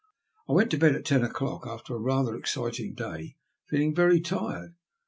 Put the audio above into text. I went to bed at ten o'clock, after a rather exciting day, feeling very tired.